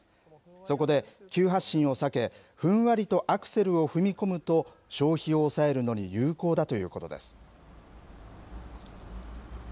そこで急発進を避け、ふんわりとアクセルを踏み込むと、消費を抑えるのに有効だということです。